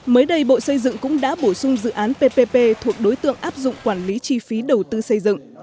mới đây bộ xây dựng cũng đã bổ sung dự án ppp thuộc đối tượng áp dụng quản lý chi phí đầu tư xây dựng